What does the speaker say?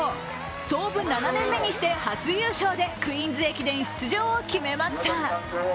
創部７年目にして初優勝でクイーンズ駅伝出場を決めました。